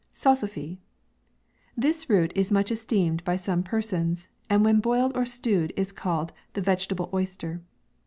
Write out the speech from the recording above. SALSAFY. This root is much esteemed by some per sons, and when boiled or stewed, is ceiled the vegetable oyster.